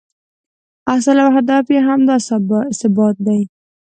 اصل او هدف یې همدا ثبات دی.